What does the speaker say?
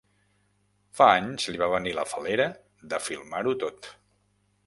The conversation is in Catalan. Fa anys li va venir la fal·lera de filmar-ho tot.